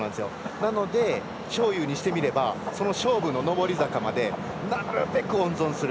なので、章勇にしてみれば勝負の上り坂までなるべく温存する。